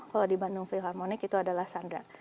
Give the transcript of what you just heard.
kalau di bandung philharmonic itu adalah sandar